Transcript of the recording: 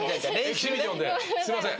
エキシビションですいません。